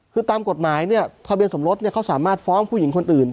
คือตามกฎหมายเนี่ยทะเบียนสมรสเนี่ยเขาสามารถฟ้องผู้หญิงคนอื่น